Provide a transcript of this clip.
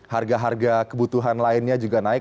harga harga kebutuhan lainnya juga naik